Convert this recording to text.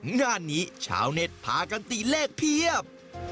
งานนี้ชาวเน็ตพากันตีเลขเพียบ